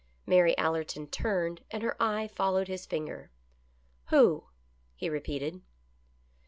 Mary Allerton turned, and her eye followed his finger. " Who ?" he repeated.